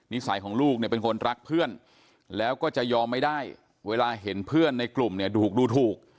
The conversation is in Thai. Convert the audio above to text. ของลูกเนี่ยเป็นคนรักเพื่อนแล้วก็จะยอมไม่ได้เวลาเห็นเพื่อนในกลุ่มเนี่ยถูกดูถูก